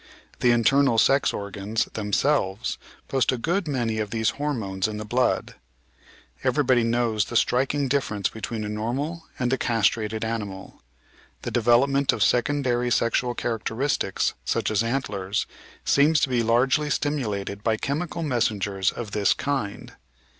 The internal sex organs them selves post a good many of these "hormones" in the blood. Everybody knows the striking difference between a normal and a castrated animal. The development of secondary sexual charac teristics, such as antlers, seems to be largely stimulated by The Body Machine and Its Work 857 chemical messengers of this kind.